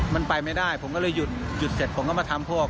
มันไปไม่ได้ผมก็เลยหยุดหยุดเสร็จผมก็มาทำพวก